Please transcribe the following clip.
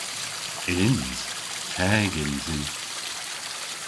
Yns. Teg yns i.